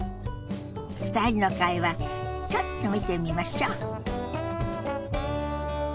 ２人の会話ちょっと見てみましょ。